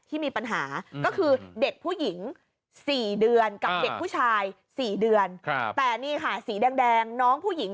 ที่มีปัญหาก็คือเด็กผู้หญิง๔เดือนกับเด็กผู้ชาย๔เดือนแต่นี่ค่ะสีแดงน้องผู้หญิง